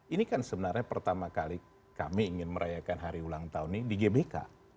ini kan sebenarnya pertama kali kami ingin merayakan hari ulang tahun ini di gbk